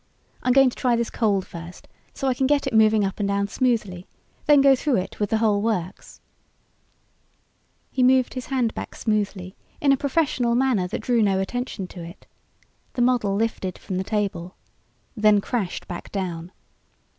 I'm going to try this cold first, so I can get it moving up and down smoothly, then go through it with the whole works." [Illustration: ILLUSTRATED BY BREY] He moved his hand back smoothly, in a professional manner that drew no attention to it. The model lifted from the table then crashed back down.